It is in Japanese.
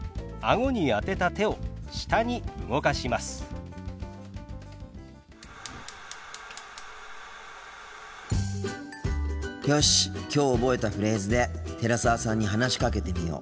心の声よしきょう覚えたフレーズで寺澤さんに話しかけてみよう。